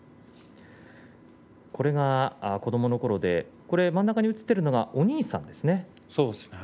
これが子どものころで真ん中に写っているのはお兄さんですね。